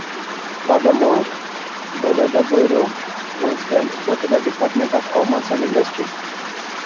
Furthermore, the Weather Bureau was transferred to the Department of Commerce and Industry.